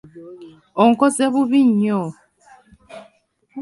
Onkoze bubi nnyo!